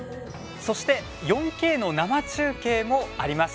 そして、４Ｋの生中継もあります。